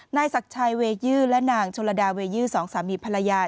นายศักดิ์ชัยเวยื่อและนางโชลดาเวยื่อสองสามีภรรยา